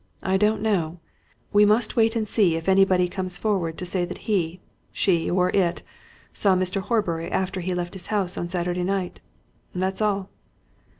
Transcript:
I don't know. We must wait and see if anybody comes forward to say that he, she, or it saw Mr. Horbury after he left his house on Saturday night. That's all."